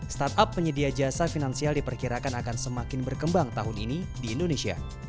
startup penyedia jasa finansial diperkirakan akan semakin berkembang tahun ini di indonesia